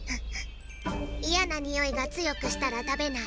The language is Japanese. いやなにおいがつよくしたらたべない。